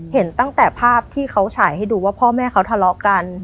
เห็นตั้งแต่ภาพที่เขาฉายให้ดูว่าพ่อแม่เขาทะเลาะกัน